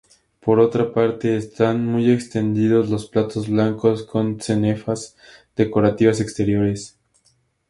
Por otra parte, están muy extendidos los platos blancos con cenefas decorativas exteriores.